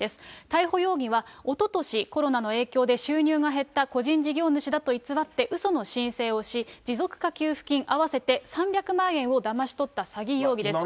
逮捕容疑は、おととし、コロナの影響で収入が減った個人事業主だと偽って、うその申請をし、持続化給付金合わせて３００万円をだまし取った詐欺容疑です。